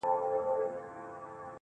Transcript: ستا د پرونۍ ورځې عادت بې هوښه سوی دی_